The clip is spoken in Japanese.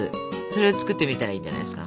それを作ってみたらいいんじゃないですか？